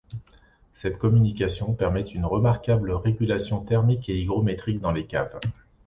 Cette communication permet une remarquable régulation thermique et hygrométrique dans les caves.